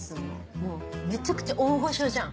もうめちゃくちゃ大御所じゃん。